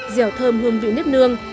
dẻo thơm hương vị nếp nương